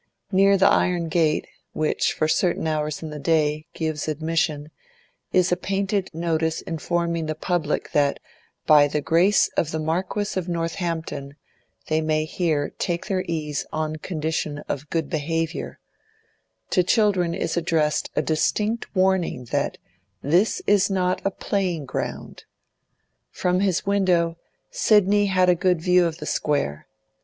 Near the iron gate, which, for certain hours in the day, gives admission, is a painted notice informing the public that, by the grace of the Marquis of Northampton, they may here take their ease on condition of good behaviour; to children is addressed a distinct warning that 'This is not a playing ground.' From his window Sidney had a good view of the Square.